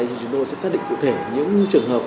thì chúng tôi sẽ xác định cụ thể những trường hợp